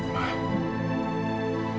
kau pun country pelek